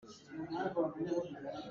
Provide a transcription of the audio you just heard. Suisui cu aa dawh bak.